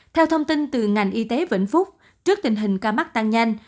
theo thông tin từ ngành y tế vĩnh phúc trước tình hình ca mắc tăng nhanh